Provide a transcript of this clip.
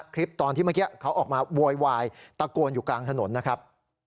คลิปตอนที่เมื่อกี้เขาออกมาโวยวายตะโกนอยู่กลางถนนนะครับ